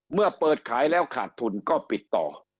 เมื่อเปิดขายแล้วขาดทุนก็ปิดต่อ